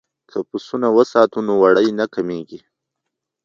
که پسونه وساتو نو وړۍ نه کمیږي.